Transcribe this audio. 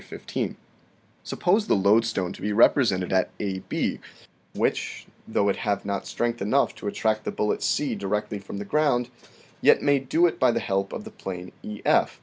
15) :" Suppose the loadstone to be represented at AB, which, though it have not strength enough to attract the bullet C directly from the ground, yet may do it by the help of the plane EF.